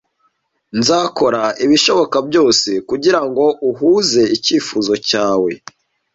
Nzakora ibishoboka byose kugirango uhuze icyifuzo cyawe.